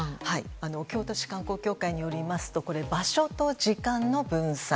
京都市観光協会によりますと場所と時間の分散。